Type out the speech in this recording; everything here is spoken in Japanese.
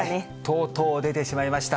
とうとう出てしまいました。